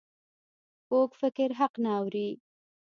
کوږ فکر حق نه اوري